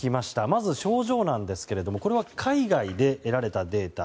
まず症状ですがこれは海外で得られたデータ